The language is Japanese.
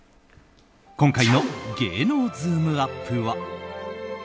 今回の芸能ズームＵＰ！は。